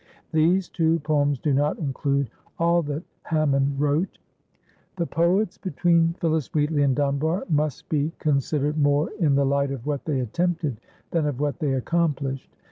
These two poems do not include all that Hammon wrote. The poets between Phillis Wheatley and Dunbar must be considered more in the light of what they attempted than of what they accomplished.